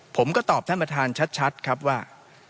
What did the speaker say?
ผมก็ตอบท่านประธานชัดครับว่า